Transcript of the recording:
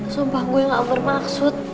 sumpah gue gak bermaksud